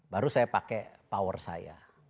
baru saya pakai power saya